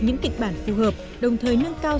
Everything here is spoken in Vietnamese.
những kịch bản phù hợp đồng thời nâng cao